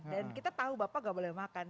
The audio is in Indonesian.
dan kita tahu bapak gak boleh makan